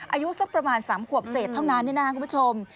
อายุสักประมาณ๓ขวบเศษเท่านั้นนะครับคุณผู้ชม